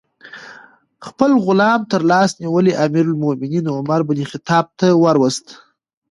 خپل غلام ترلاس نیولی امیر المؤمنین عمر بن الخطاب ته وروست.